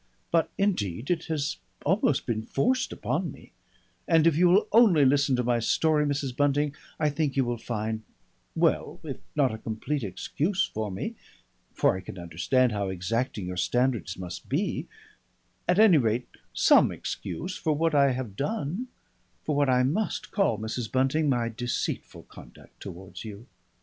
But indeed it has almost been forced upon me, and if you will only listen to my story, Mrs. Bunting, I think you will find well, if not a complete excuse for me for I can understand how exacting your standards must be at any rate some excuse for what I have done for what I must call, Mrs. Bunting, my deceitful conduct towards you.